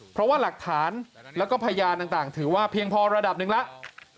เพราะว่าหลักฐานแล้วก็พยานต่างถือว่าเพียงพอระดับหนึ่งแล้ว